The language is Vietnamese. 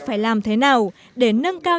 phải làm thế nào để nâng cao